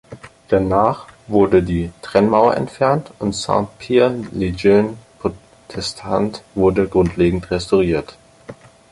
Danach wurde die Trennmauer entfernt, und Saint-Pierre-le-jeune protestant wurde grundlegend restauriert.